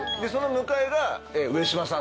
その向かいが上島さん。